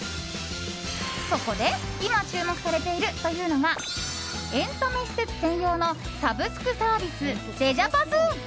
そこで今、注目されているというのがエンタメ施設専用のサブスクサービス、レジャパス！